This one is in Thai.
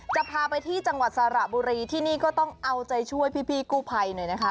จะพาไปที่จังหวัดสระบุรีที่นี่ก็ต้องเอาใจช่วยพี่กู้ภัยหน่อยนะคะ